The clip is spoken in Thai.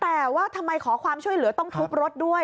แต่ว่าทำไมขอความช่วยเหลือต้องทุบรถด้วย